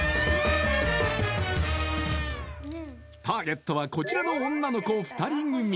［ターゲットはこちらの女の子２人組］